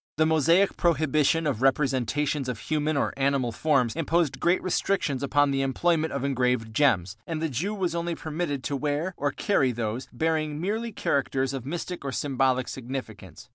The Mosaic prohibition of representations of human or animal forms imposed great restrictions upon the employment of engraved gems, and the Jew was only permitted to wear or carry those bearing merely characters of mystic or symbolic significance.